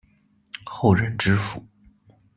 后任知府。